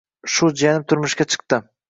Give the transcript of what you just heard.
Shu jiyanim turmushga chiqdi.